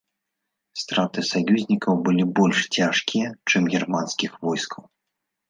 Страты саюзнікаў былі больш цяжкія, чым германскіх войскаў.